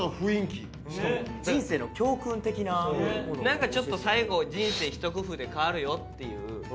なんかちょっと最後人生一工夫で変わるよっていう。